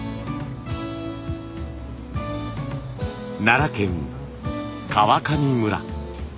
奈良県川上村。